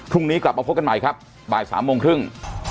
พรุ่งนี้กลับมาพบกันใหม่ครับบ่าย๓โมงครึ่ง